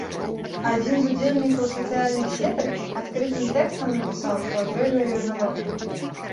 Адзін з удзельнікам сацыяльных сетак адкрытым тэкстам напісаў, што адрэжа ёй галаву.